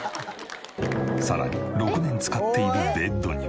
さらに６年使っているベッドには。